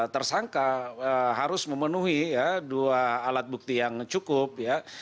tersangka harus memenuhi ya dua alat bukti yang cukup ya